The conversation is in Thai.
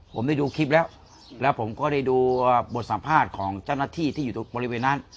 ผมได้ดูคลิปแล้วแล้วผมก็ได้ดูบทสัมภาษณ์ของเจ้าหน้าที่ที่อยู่บริเวณนั้น